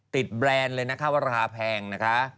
แบรนด์เลยนะคะว่าราคาแพงนะคะ